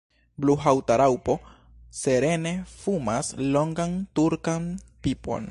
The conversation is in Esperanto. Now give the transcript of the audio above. Bluhaŭta raŭpo serene fumas longan turkan pipon.